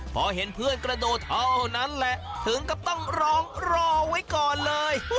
พอเห็นเพื่อนกระโดดเท่านั้นแหละถึงกับต้องร้องรอไว้ก่อนเลย